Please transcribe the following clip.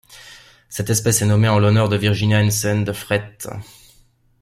Cette espèce est nommée en l'honneur de Virginia Heinsen de Freites.